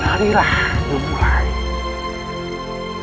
menarilah nomor lain